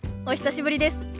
お久しぶりです。